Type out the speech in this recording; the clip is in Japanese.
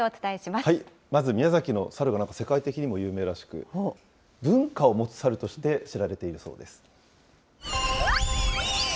まず宮崎のサルがなんか、世界的に有名らしく、文化を持つサルとして知られているそうです。